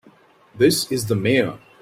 This is the Mayor.